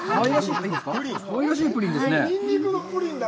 かわいらしいプリンですね。